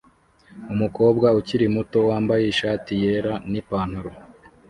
Umukobwa ukiri muto wambaye ishati yera nipantaro